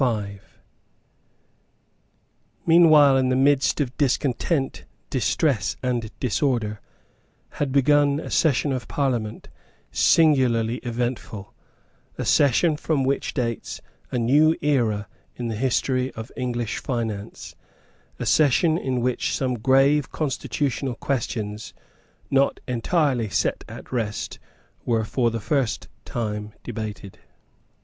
Meanwhile, in the midst of discontent, distress and disorder, had begun a session of Parliament singularly eventful, a session from which dates a new era in the history of English finance, a session in which some grave constitutional questions, not yet entirely set at rest, were for the first time debated.